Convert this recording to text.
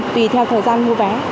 tùy theo thời gian mua vé